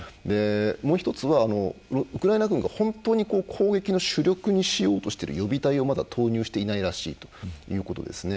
もう１つは、ウクライナ軍が本当に攻撃の主力にしようとしている予備隊をまだ投入していないらしいということですね。